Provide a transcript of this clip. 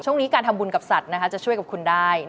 ช่วงนี้การทำบุญกับสัตว์จะช่วยกับคุณได้